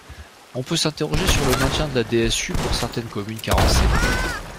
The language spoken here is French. On peut s’interroger sur le maintien de la DSU pour certaines communes carencées.